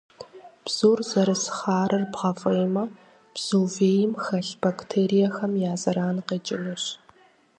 Бзур зэрыс хъарыр бгъэфӏеймэ, бзу вейм хэлъ бактериехэм я зэран къекӏынущ.